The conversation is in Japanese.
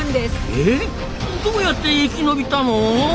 えどうやって生き延びたの？